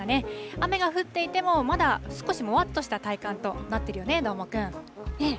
雨が降っていても、まだ少しもわっとした体感となってるよね、どーもくん。